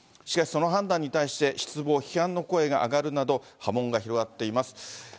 しかしその判断に対して、失望、批判の声が上がるなど、波紋が広がっています。